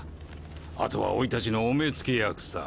あとは甥たちのお目付役さ。